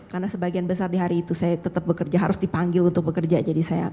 karena sebagian besar di hari itu saya tetap bekerja harus dipanggil untuk bekerja jadi saya